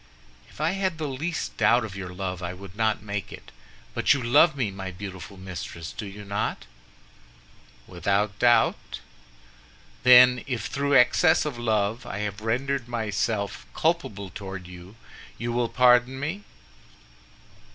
"If I had the least doubt of your love I would not make it, but you love me, my beautiful mistress, do you not?" "Without doubt." "Then if through excess of love I have rendered myself culpable toward you, you will pardon me?"